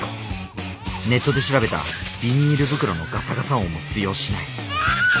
ネットで調べたビニール袋のガサガサ音も通用しない。